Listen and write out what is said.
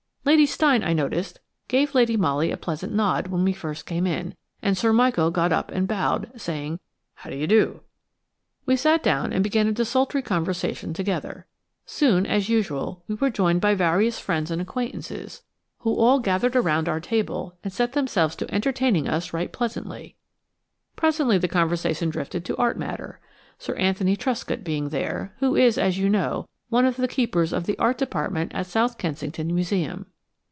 Lady Steyne, I noticed, gave Lady Molly a pleasant nod when we first came in, and Sir Michael got up and bowed, saying, "How d'ye do?" We sat down and began a desultory conversation together. Soon, as usual, we were joined by various friends and acquaintances who all congregated round our table and set themselves to entertaining us right pleasantly. Presently the conversation drifted to art matter, Sir Anthony Truscott being there, who is, as you know, one of the keepers of the Art Department at South Kensington Museum.